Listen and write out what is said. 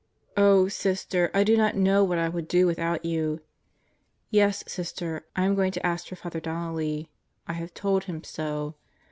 Oh, Sister, I do not know what I would do without you. Yes, Sister, I am going to ask for Father Donnelly. I have told him so.